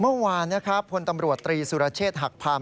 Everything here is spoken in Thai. เมื่อวานผลตำรวจตรีศุรเชษฐ์หักพราง